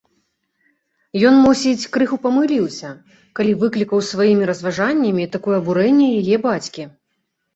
Ён, мусіць, крыху памыліўся, калі выклікаў сваімі разважаннямі такое абурэнне яе бацькі.